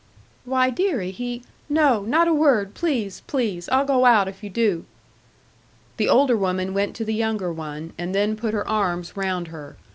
"Why, deary, he " "No; not a word. Please, please I'll go out if you do." The older woman went to the younger one, and then put her arms round her.